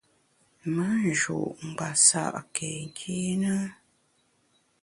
Me nju’ ngbasa’ ke nkîne ?